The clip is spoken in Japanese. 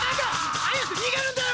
早く逃げるんだよ！